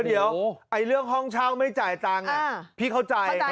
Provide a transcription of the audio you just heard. เดี๋ยวเรื่องห้องเช่าไม่จ่ายตังค์พี่เข้าใจ